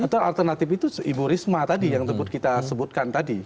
betul alternatif itu ibu risma tadi yang kita sebutkan tadi